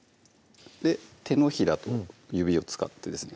手のひらと指を使ってですね